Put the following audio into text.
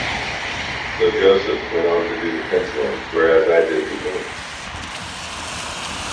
So Joseph went on to do the penciling, whereas I did the inks.